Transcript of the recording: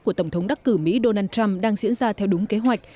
của tổng thống đắc cử mỹ donald trump đang diễn ra theo đúng kế hoạch